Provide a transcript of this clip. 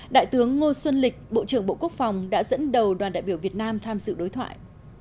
đại tướng ngô xuân lịch bộ trưởng bộ quốc phòng đã dẫn đầu đoàn đại biểu việt nam tham dự đối thoại